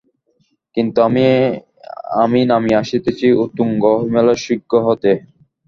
কিন্তু আমি, আমি নামিয়া আসিতেছি উত্তুঙ্গ হিমালয় শৃঙ্গ হইতে।